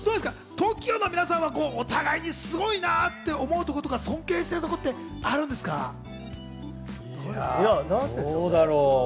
ＴＯＫＩＯの皆さんはお互いにすごいなと思うところとか、尊敬しどうだろう。